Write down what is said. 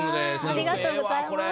ありがとうございます。